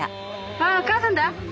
ああ母さんだ。